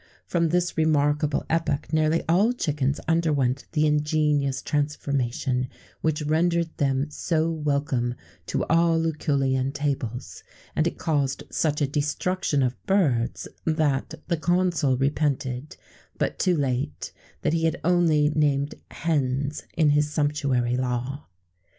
[XVII 15] From this remarkable epoch, nearly all chickens underwent the ingenious transformation which rendered them so welcome to all Lucullian tables;[XVII 16] and it caused such a destruction of birds, that the consul repented, but too late, that he had only named hens in his sumptuary law.